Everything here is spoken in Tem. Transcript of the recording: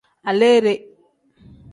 Aleere.